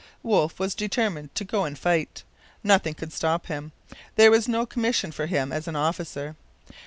Wolfe was determined to go and fight. Nothing could stop him. There was no commission for him as an officer.